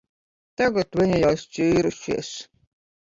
Tagad viņi jau šķīrušies.